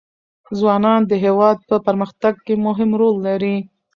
ځوانان د هېواد په پرمختګ کې مهم رول لري.